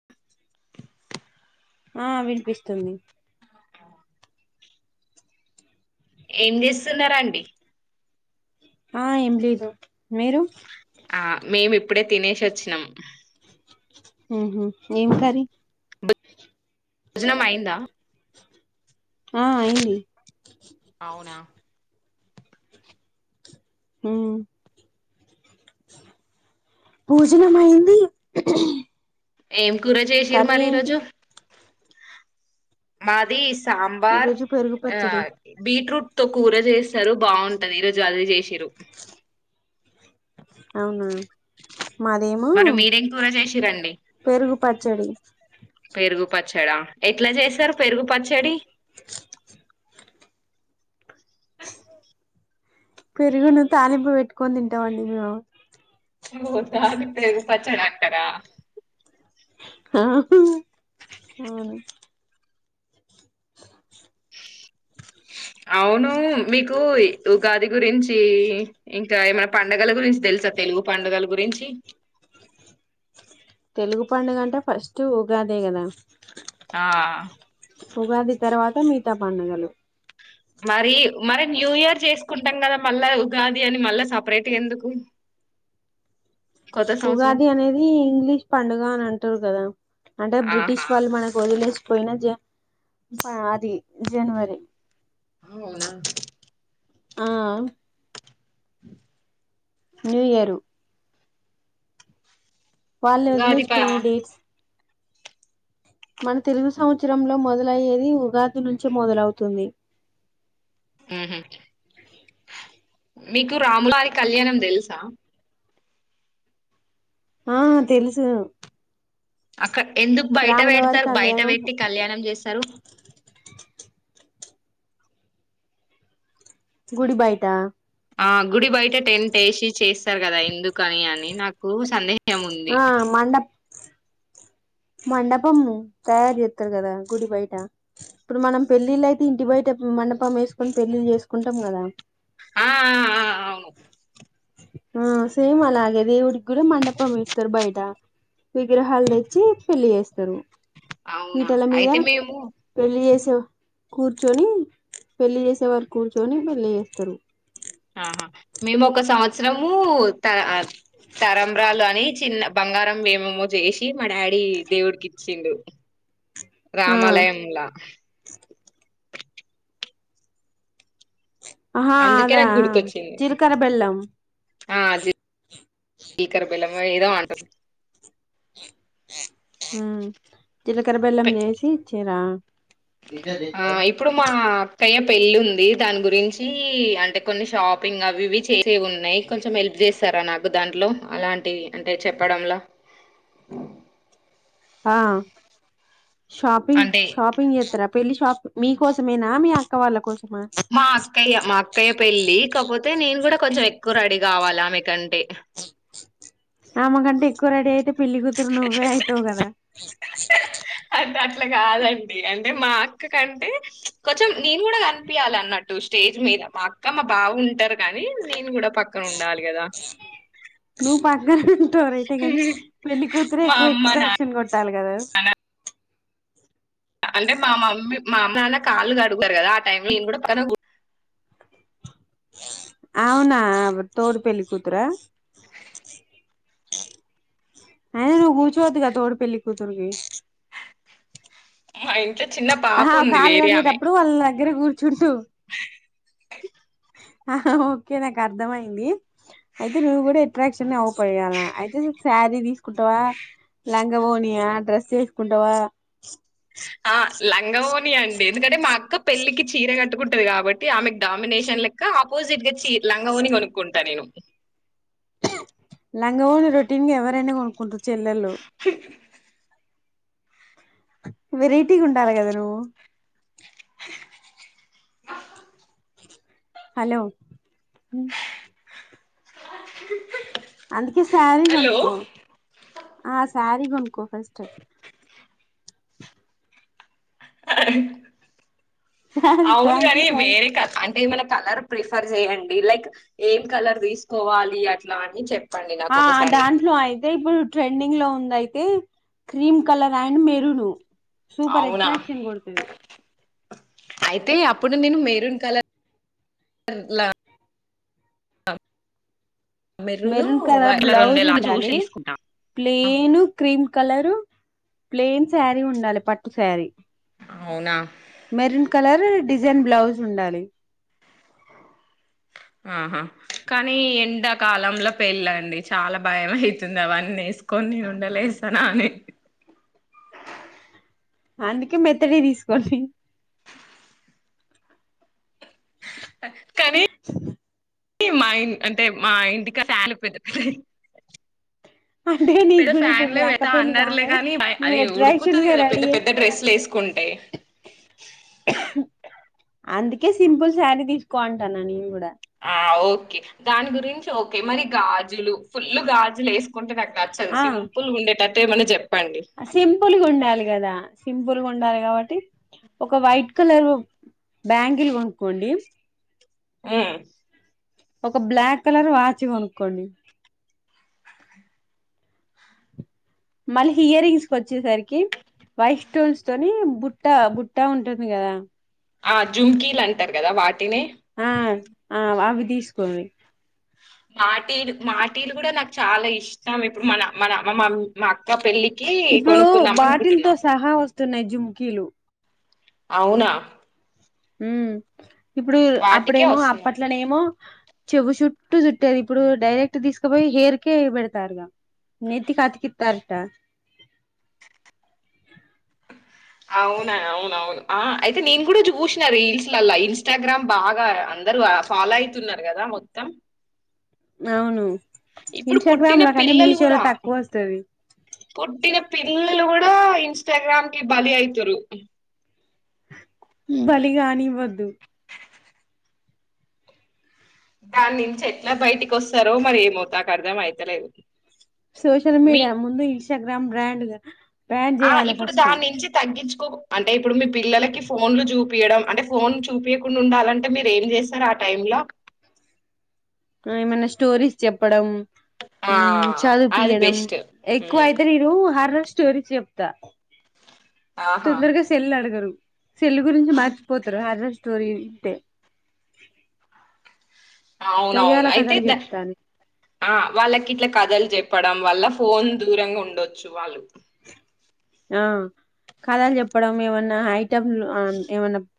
[unintelligible] ఆ వినిపిస్తుంది. ఏం చేస్తున్నారు అండి ఆ ఏం లేదు మీరు? ఆ మేము ఇప్పుడే తినేసి వచ్చినాం. ఉమ్ హ్మ్ ఏం కరి? భోజనం అయిందా? ఆ అయింది. అవునా? హ్మ్ భోజనం అయింది ఏం? కూర చేశిరు కర్రీ మరి ఏంటి ఈరోజు? మాది సా సాంబార్, ఈరోజు పెరుగు పచ్చడి ఆహ్ బీట్రూట్ తొ కూర చేస్తారు బాగుంటది, ఈరోజు అది చేసిరిరు స అవునా, మాదేమో మరి మీరేం కూర చేసిరండి పెరుగు పచ్చడి. పెరుగు పచ్చడా ఎట్లా చేస్తారు? పెరుగు పచ్చడి పెరుగును తాలింపు పెట్టుకొని తింటామండి మేము ఓహ్, దాన్ని పెరుగు పచ్చడి అంటారా? ఆహూ అవును. అవును మీకు ఉగాది గురించి ఇంకా ఏమైనా పండగల గురించి తెలుసా తెలుగు పండగల గురించి? తెలుగు పండుగ అంటే ఫస్ట్ ఉగాదే కదా ఆ ఉగాది తర్వాత మీితా పండుగలు మరి మరి న్యూ ఇయర్ చేసుకుంటాం కదా మళ్ళా ఉగాది అని మళ్ళా సపరేట్ ఎందుకు కొత్త సంవత్సరం ఉగాది అనేది ఇంగ్లీష్ పండుగ అని అంట కదా అంటే బ్రిటిష్ ఆహా వాళ్ళు మనకు వదిలే పోయినా జ అది జనవరి అవునా ఆ న్యూ ఇయరు వాళ్ళు ఉగాది పా వదిలేసిపోయిన డేట్స్ మన తెలుగు సంవత్సరంలో మొదలయ్యేది ఉగాది నుంచే మొదలవుతుంది ఉమ్ హ్మ్ మీకు రాములారి కళ్యాణం తెలుసా ఆ తెలుసు ఎందుకు బయట రాములవారి పెడతారు బయట కళ్యాణం పెట్టి కళ్యాణం చేస్తారు గుడి బాయిటా ఆ గుడి బయట టెంట్ వేసి చేస్తారు కదా ఎందుక అని అని నాకు సందే ఆ మండప్ మండపం తయారు చేస్తారు కదా గుడి బయట ఇప్పుడు మనం పెళ్ళిళ్ళయితే ఇంటి బయట మండపం వేసుకొని పెళ్ళిళ్ళ చేసుకుంటాం కదా ఆ ఆ ఆ అవును ఆ సేమ్ ఆలాగే దేవుడికి గుడ మండపమెస్తారు బయట విగ్రహాలు తెచ్చి పెళ్లి చేస్తారు అవునా పీటల మీద అయితే మేము పెళ్లి చేసి కూర్చొని పెళ్లి చేసే వారు కూర్చొని పెళ్లి చేస్తారు ఆహా మేము ఒక సంవత్సరము త తరమ్రాలు అని చిన్న బంగారం ఏమేమో చేసి మా డాడీ దేవుడికి ఇచ్చిండు ఆ రామాలయమ్లా హా అందుకే అదా నాకు గుర్తొచ్చింది జిలకర బెల్లం మరేదో అంట హ జీలకర బెల్లం చేసి ఇచ్చిర్రా ఆ ఇప్పుడు మా అయ పెళ్ళి ఉంది దాని గురించి అంటే కొన్ని షాపింగ్ అవి ఇవి చేసే ఉన్నాయి కొంచెం హెల్ప్ చేస్తారా నాకు దాంట్లో అలాంటి అంటే చెప్పడంలా ఆ షాపింగ్ అంటే షాపింగ్ జెత్తర పెళ్ళి షాప్ మీకోసమేనా మీ అక్క వాళ్ళ కోస్ మా అక్కయ్య మా అక్కయ్య పెళ్ళి కాపోతే నేను కూడా కొంచెం ఎక్కువ రెడీ కావాలా ఆమెకంటే ఆమె గంటే ఎక్కువ రెడీ అయితే పెళ్లిగుతురు నవ్వే అయ్యితావ్ గదా అంటే అట్లా కాదండి అంటే మా అక్క కంటే కొంచెం నేను కూడా కనిపియ్యలా అన్నట్టు స్టేజ్ మీద మా అక్క మా బావ ఉంటారు కానీ నేను కూడా పక్కన ఉండాలి గదా ను పా మీరు ఉంటరూ రైటె పెళ్లి కూతురే మా ఎక్కువ అమ్మ నాన్న ఎక్స్ట్రాక్షన్ కొట్టాలి గదా అంటే మా మమ్మీ మా అమ్మ నాన్న కాళ్ళు గడుగుతారు కదా ఆ టైమ్ లో నేను కూడా పక్కన కూర్ అవునా తోడి పెళ్ళి కూతురా అయ్యిన నవ్వు కూర్చోవద్దుగా తోడి పెళ్ళికూతురు వి మైన్ ఆహా కాలు గడిగేటప్పుడు వాళ్ళ దగ్గర కూర్చ్ చుంటూ ఆహా ఓకే నాకు అర్ధమయింది అయితే నువ్వు కూడా ఎట్రాక్షన్ అవ్వపోయాల అయితే శారీ తీసుకుంటావా లాంగ్ లంగా వోనియా డ్రెస్ వేసుకుంటావా ఆ లంగా వోని అండి ఎందుకంటే మా అక్క పెళ్ళికి చీర కట్టుకుంటది కాబట్టి ఆమెకు డామినేషన్ లెక్క ఆపోజిట్ గా చీ లంగా వోని కొనుకుంట నేను లంగా వోని రోటీన్ గా ఎవరైనా కొనుకున్ చెల్లెలు వెరైటీ గా ఉండాలి గదా నువ్వు హలో హ్మ్ అందుకే సారి హలో కొనుక్కో ఆ సారి కొనుక్కో ఫస్ట్ శారీ అవును ఫ్యాన్సీ గానీ శారీ వేరే కా అంటే మన కలర్ ప్రిఫర్ చెయ్యండి లైక్ ఏ కలర్ తీసుకోవాలి అట్లా అని చెప్ ఆ దాంట్లో అయితే ఇప్పుడు ట్రెండింగ్ లో ఉన్నాయ్ ఏయ్ cream colour and maroon super అవునా ఎట్రాక్షన్ గోడుతది అయితే అప్పుడు నేను మెరూన్ కలర్ ర్లా మెరూన్ మెరున్ కలర్ బ్లౌజ్ ఉండేలా చూసి ఉండాలి తీసుకుంటా plain cream colour plain sari ఉండాలి పట్టు సారీ అవునా మెరున్ కలర్ డిజైన్ బ్లౌజ్ ఉండాలి ఆహా కానీ ఎండాకాలంలో పెళ్ళండి చాలా భయం అయితుంది అవన్నీ ఎసుకొని ఉండలేస్తానా అని అందుకే మెత్తడి తీసుకోలి కానీ మా ఇ అంటే మా ఇంటికా ఫ్యాన్ పెద్ద పెద్ అంటే నీకు కూడా ఇప్పు మీ అక్క పెళ్ళి అన్నారులే కాగానే కానీ భయ- నువ్ అది ఎట్రాక్షన్ ఉడుకుతది గా కదా రెడీ పెద్ద అయ్యి పెద్ద డ్రెస్సులు వేసుకుంటే కె సింపుల్ సారీ తీసుకో అంటానా నేను కూడా ఆ ఓకే దాని గురించి ఓకే మరి గాజులు ఫుల్ గాజులు ఎస్ గుంటే నాకు నచ్చదు సింపుల్ గుండెటట్టు ఏమన్నా చెప్ అ సింపుల్గా ఉండాలి కదా సింపుల్ గా ఉండాలి కాబట్టి ఒక వైట్ కలరు బ్యాంగల్ గోనుకోండి మ్మ్ ఒక బ్లాక్ కలర్ వాచ్ గొనుక్కోండి మళ్ళీ ఇయర్ రింగ్స్ వచ్చేసరికి వైట్ స్టోన్స్ తోని బుట్ట బుట్ట ఉంటుంది కదా ఆ జుంకీలు అంటారు కదా వాటినే ఆ ఆ అవి తీసుకోండి మాటీలు మాటీలు కూడా నాకు చాలా ఇష్టం ఇప్పుడు మన మన అమ్మ మా పెళ్ళికి ఇప్పుడు కొనుక్కుందాం వాటిల్తో అనుకుంటున్నాం సహా వస్తున్నాయి జుంకీలు అవునా ఊమ్ ఇప్పుడు వాటికే అప్పుడేమో వస్తాయా అప్పట్ల నేమో చెవు చుట్టూ చుట్టేది ఇప్పుడు డైరెక్ట్ తీసుకపోయి హెర్కే పెడతారుగా నెత్తి అతికితరిట అవునా అవునవును ఆ అయితే నేను కూడా చూసిన రీల్స్ లలా ఇన్స్టాగ్రామ్ బాగా అందరు ఫాలో అయితున్నారు కదా మొత్తం అవును ఇప్పుడు ఇన్స్టాగ్రామ్ పుట్టిన లో కానీ పిల్లలు మీషోలో కూడా తక్కువ వస్తది పుట్టిన పిల్లలు కూడా ఇన్స్టాగ్రామ్ కి బలి అయితురు బలిగాని ఇవ్వద్దు దాని నుంచి ఎట్లా బయటికి వస్తారో మరి ఏమవుతా నాకు అర్థం అయితలేదు సోషల్ మీ మీడియా ముందు ఇన్స్టాగ్రామ్ బ్రాండ్ గ ఆ ఇప్పుడు దాని నుంచి తగ్గించు అంటే ఇప్పుడు మీ పిల్లలకి ఫోన్లు చూ చూయడం అంటే ఫోన్ చూపియకుండా ఉండాలంటే మీరు ఏం చేస్తారు ఆ టైం లో ఏమైనా స్టోరీస్ చెప్పడం ఆ చదువు అది పియడం బెస్ట్ ఎక్కువ ఉమ్, అయితే నేను స్టోరీ చెప్తా ఆహా తొందరగా సెల్ అడగరు సెల్ గురించి మర్చిపోతారు హారర్ స్టోరీ [inaudible] అవునవును దయ్యాల అయితే కథలు చెప్తాను ఆ వాళ్ళకి ఇట్లా కథలు చెప్ప చెప్పడం వల్ల ఫోన్ దూరంగా ఉండొచ్చు వాళ్ళు ఆ కథాలు చెప్పడం ఏమన్నా హైట్ [unintelligible]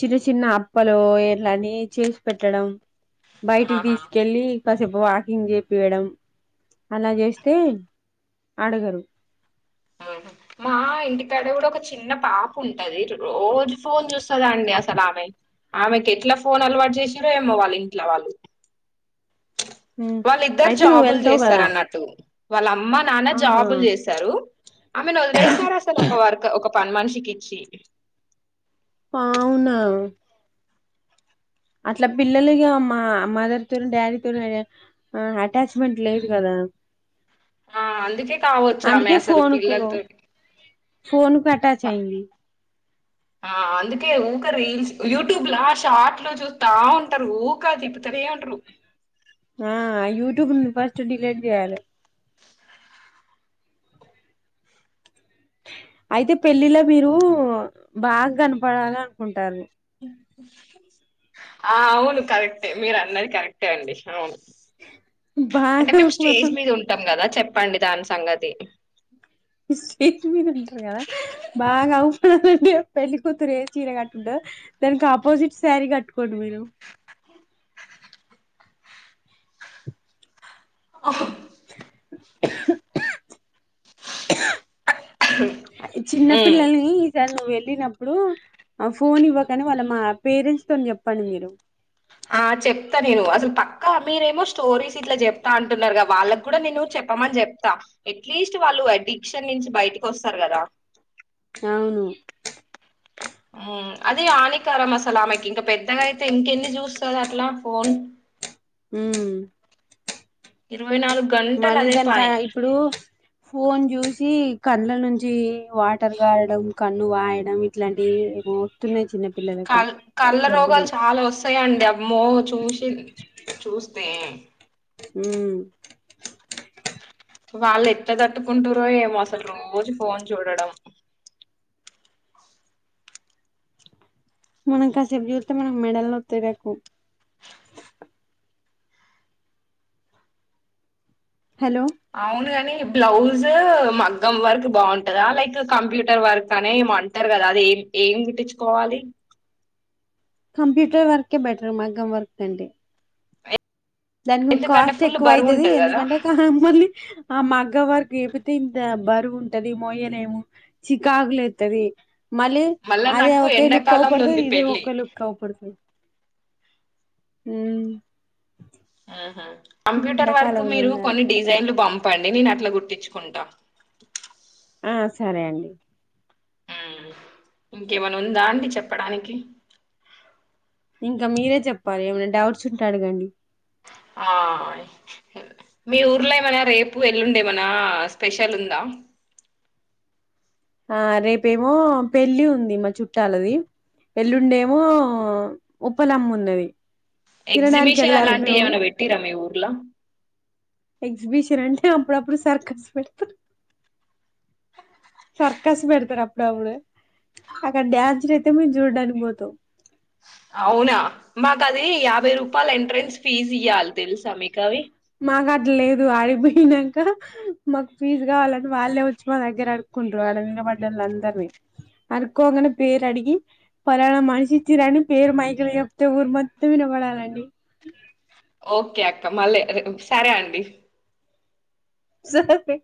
చిన్న చిన్న అప్పలు ఇలని చేసి పెట్టడం బయటికి ఆహా తీసుకెళ్లి కాసేపు వాకింగ్ చేపియడం అలా చేస్తే అడగరు మా ఇంటికాడ కూడా ఒక చిన్న పాప ఉంటది రోజు ఫోన్ చూస్త దండి అసలు ఆమె ఆమెకు ఎట్లా ఫోన్ అలవాటు చేసారో ఏమో వాళ్ళు ఇంట్లో వాళ్ళు మ్మ్ వాళ్ళిద్దరు అయితే నువ్వు జాబులు వెళ్తావు చేస్తారు కదా అన్నట్టు వాళ్ళ అమ్మ నాన్న ఆహా జాబులు చేసారు ఆమెను వదిలేరు అసలు ఒక వర్క్ పన్ మనుసికిచ్చి ఆవునా అట్లా పిల్లలుగా మా మదర్ తోరు డాడీతోర అటాచ్మెంట్ లేదు కదా ఆ అందుకే కావచ్చు ఆమె అందుకే అసలు ఫోన్కు పిల్లలతోటి ఫోన్కు అటచ్ వ- అయ్యంది ఆ అందుకే ఊక రీల్స్ యూట్యూబ్లా షార్ట్ లో చూస్తా ఉంటారు ఊకా తిప్పుతనే ఉంటారు ఆ యూట్యూబ్ ఫస్ట్ డిలీట్ చేయాలే అయితే పెళ్ళిళ మీరు బాగా కనపడాల అనుకుంటారు ఆ అవును కరెక్టే మీరు అన్నది కరెక్టే అండి అవును అంటే బాగా మేము స్టేజ్ మీద ఉంటాం కదా చెప్పండి దాని సంగతి స్టేజ్ మీద ఉంటారు కథ బాగా ంటే పెళ్లికతురే చీర కట్టుండ దానికి ఆపోజిట్ శారీ కట్టుకోండి మీరు ఆ [inaudible] చిన్న ఉమ్ పిల్లలని సార్ నువ్వు వెళ్ళినప్పుడు ఆ ఫోన్ ఇవ్వకని వాళ్ళ మా పేరెంట్స్ తో చెప్పండి మీరు ఆ చెప్తా నేను అసలు పక్కా మీరేమో స్టోరీస్ ఇట్లా చెప్తా అంటున్నారు కదా వాళ్ళకి కూడా నేను చెప్పమని చెప్తా ఎట్లీస్ట్ వాళ్ళు అడిక్షన్ నుంచి బయటకి వస్తారు కదా అవును అదే ఆనికారం మ అసాల ఆమెకి ఇంకా పెద్దగా అయితే ఇంకెన్ని చూస్తుది అట్లా ఫోన్ మ్మ్ ఇరు ఇరువై నాలుగు గంటలు అదే దానికా పనీ ఇప్పుడు ఫోన్ చూసి కళ్ల నుంచి వాటర్ కారడం కన్ను వాయడం ఇట్లాంటివి వస్తున్నాయి చిన్న పిల్లలకు కల్ కళ్ళ జబ్బులు రోగాలు చాలా వస్తాయిండి అమో చూసి చూ తే మ్మ్ వాళ్ళు ఎట్లా తట్టుకుంటారో ఏమో అసలు రోజు ఫోన్ చూడడం మనం కాసేపు చుతే మనకు మెడలు నోతయి హలో అవును ని బ్లౌజ్ మగ్గం వర్క్ బాగుంటదా లైక్ కంప్యూటర్ వర్క్ అనే ఏమో అంటారు కదా అది ఏం ఏం గుట్టించుకోవాలి కంప్యూటర్ వర్కే బెటర్ మగం వర్క్ కంటే దానికి ఎందుకంటే కాస్ట్ ఫుల్ ఎక్కువ బరువు అవుతుది ఉంటది కదా ఎందుకంటే కా మళ్ళీ ఆ మగ్గ వారికి చెపితే ఇంత బరువు ఉంటది మోయనే ఏమో చికాకులు లేతది మళ్ళీ మళ్ళా అదే నాకు ఒకే లుక్ అవ్వ ఎండాకాలంలో పడుతుంది ఉంది ఇదే పెళ్ళి ఒకే లుక్ అవ్వ పడుతది మ్మ్ ఆహా కంప్యూటర్ వర్క్ ఎండాకాలంలో మీరు ఉందా కొన్ని డిజైన్లు పంప చెప్పండి నేను అట్లా గుట్టించుకుంటా ఆ సరే అండి ఇంకేమనా ఉందా అండి చెప్పడానికి ఇంకా మీరే చెప్పాలి ఏమైనా డౌట్స్ ఉంటే అడగండి ఆ మీ ఊర్లో ఏమనా రేపు ఎల్లుండే ఏమనా స్పెషల్ ఉందా ఆ రేపేమో పెళ్లి ఉంది మా చుట్టాలది ఎల్లుండి ఉప్పలమ్ము ఉన్నది తినడానికి ఎగ్జిబిషన్ వెళ్ళాలి అలాంటివి మేము ఏమైనా పెట్టిరా మీ ఊరిల బీషనంటే అప్పుడుప్పుడు సర్కస్ పెడుతరు సర్కస్ పెడతారు అప్పుడప్పుడు అక్కడ డ్యాన్స్ర్ అయితే మేము చూడ్డానికి పోతాం అవునా మాకు అది యాభై రూపాయల ఎంట్రన్స్ ఫీజ్ ఇయ్యాలి తెలుసా మీకవి మాకు అట్ లేదు ఆడిపోయినాక మాకు ఫీజు కావాలంటని వాళ్ళే వచ్చి మా దగ్గర అడుకుంటారు అలా వినబడ్డళ్ళ అందరినీ అడుకోగానే పేరు అడిగి పలానా మనిషి తిరని పేరు మైకలు చెప్తే ఊరు మత్తం వినబడాలండి ఓకే అక్క మళ్ళీ సరే అండి సరే